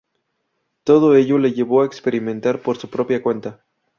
Todo ello le llevó a experimentar por su propia cuenta.